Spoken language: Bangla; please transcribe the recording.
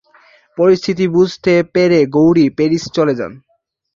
পরিস্থিতি বুঝতে পেরে গৌরী প্যারিস চলে যান।